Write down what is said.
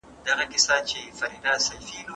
خبري د مور له خوا اورېدلي کيږي!